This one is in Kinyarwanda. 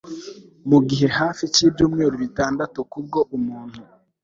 mu gihe hafi cyibyumweru bitandatu kubwo umuntu